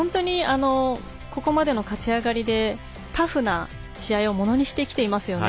ここまでの勝ち上がりでタフな試合をものにしてきていますよね。